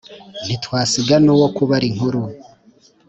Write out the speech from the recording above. ntitwasiga n’uwo kubara inkuru